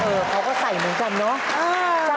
เขาก็ใส่เหมือนกันเนาะ